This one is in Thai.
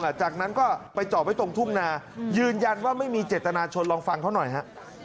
หลังจากนั้นก็ไปจอดไว้ตรงทุ่งนายืนยันว่าไม่มีเจตนาชนลองฟังเขาหน่อยฮะ